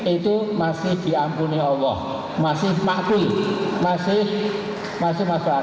itu masih diampuni allah masih makbul masih masyarakat